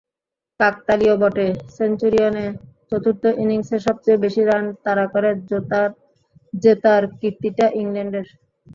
কাকতালীয়ই বটে, সেঞ্চুরিয়নে চতুর্থ ইনিংসে সবচেয়ে বেশি রান তাড়া করে জেতার কীর্তিটা ইংল্যান্ডের।